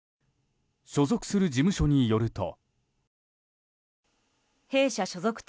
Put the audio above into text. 所属する事務所によると。